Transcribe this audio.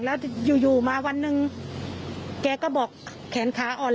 แล้วก็เอาปืนยิงจนตายเนี่ยมันก็อาจจะเป็นไปได้จริง